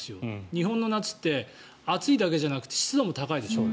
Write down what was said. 日本の夏って暑いだけじゃなくて湿度も高いでしょ。